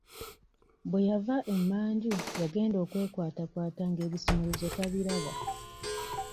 Bwe yava emmanju yagenda okwekwatakwata nga ebisumuluzo tabiraba.